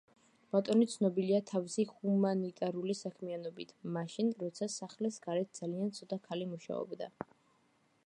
ბარტონი ცნობილია თავისი ჰუმანიტარული საქმიანობით, მაშინ, როცა სახლის გარეთ ძალიან ცოტა ქალი მუშაობდა.